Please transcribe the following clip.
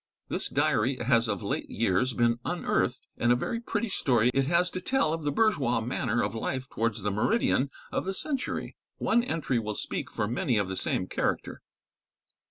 This diary has of late years been unearthed, and a very pretty story it has to tell of the bourgeois manner of life towards the meridian of the century. One entry will speak for many of the same character.